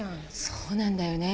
そうなんだよね。